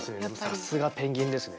さすがペンギンですね。